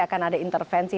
akan ada intervensi